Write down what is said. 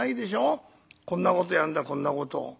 こんなことやんだこんなこと」。